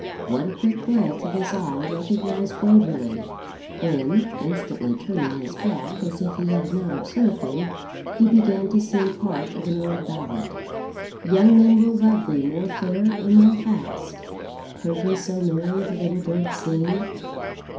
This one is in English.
One quick glance of his eye recognised Waverley, when, instantly turning his back, as if he had not observed him, he began to sing part of an old ballad: Young men will love thee more fair and more fast; Heard ye so merry the little bird sing?